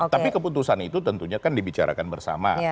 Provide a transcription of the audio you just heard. tapi keputusan itu tentunya kan dibicarakan bersama